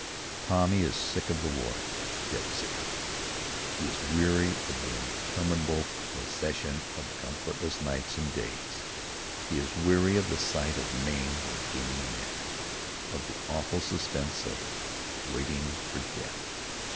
Tommy is sick of the war dead sick of it. He is weary of the interminable procession of comfortless nights and days. He is weary of the sight of maimed and bleeding men of the awful suspense of waiting for death.